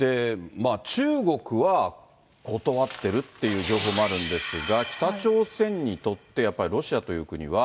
中国は断ってるという情報もあるんですが、北朝鮮にとって、やっぱりロシアという国は。